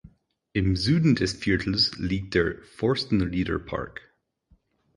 Im Süden des Viertels liegt der Forstenrieder Park.